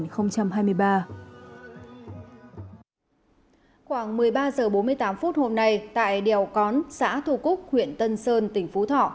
khoảng một mươi ba h bốn mươi tám phút hôm nay tại đèo cón xã thu cúc huyện tân sơn tỉnh phú thọ